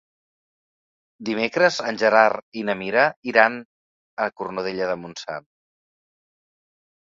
Dimecres en Gerard i na Mira iran a Cornudella de Montsant.